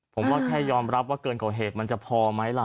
ผมว่าแค่ยอมรับว่าเกินกว่าเหตุมันจะพอไหมล่ะ